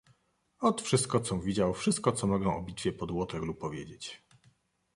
"Ot, wszystko, com widział, wszystko co mogę o bitwie pod Waterloo powiedzieć."